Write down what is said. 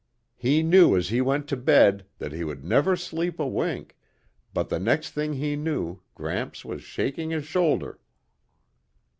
He knew as he went to bed that he would never sleep a wink, but the next thing he knew Gramps was shaking his shoulder.